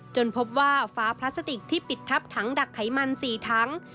พบว่าฟ้าพลาสติกที่ปิดทับถังดักไขมัน๔ถัง